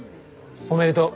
おめでとう。